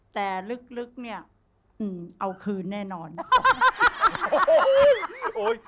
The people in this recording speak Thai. แต่ลึกเนี่ยเอาคืนเนี่ย